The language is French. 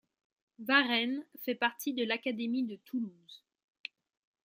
Varennes fait partie de l'académie de Toulouse.